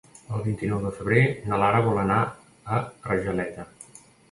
El vint-i-nou de febrer na Lara vol anar a Argeleta.